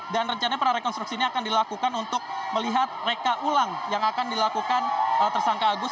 dan rencana prarekonstruksi ini akan dilakukan untuk melihat reka ulang yang akan dilakukan tersangka agus